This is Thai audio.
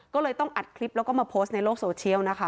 ก็เลยต้องอัดคลิปแล้วก็มาโพสต์ในโลกโซเชียลนะคะ